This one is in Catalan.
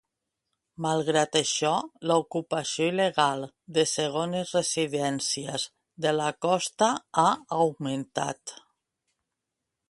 Malgrat això, l'ocupació il·legal de segones residències de la costa ha augmentat.